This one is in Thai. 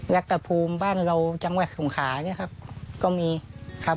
และกระภูมิบ้านเราจังหวัดสมขาก็มีครับ